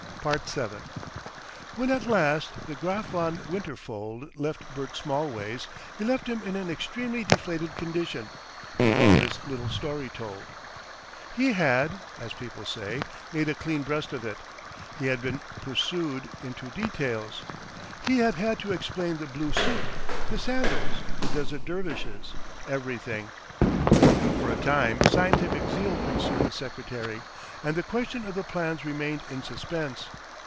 7 When at last the Graf von Winterfold left Bert Smallways, he left him in an extremely deflated condition, with all his little story told. He had, as people say, made a clean breast of it. He had been pursued into details. He had had to explain the blue suit, the sandals, the Desert Dervishes everything. For a time scientific zeal consumed the secretary, and the question of the plans remained in suspense.